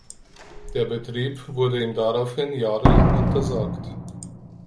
Der Betrieb wurde ihm daraufhin jahrelang untersagt.